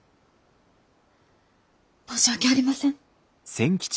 申し訳ありません。